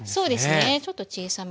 ちょっと小さめにはい。